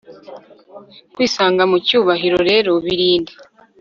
Kwisanga mu cyubahiro rero birinde